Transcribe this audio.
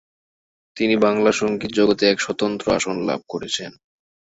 তিনি বাংলা সঙ্গীত জগতে এক স্বতন্ত্র আসন লাভ করেছেন।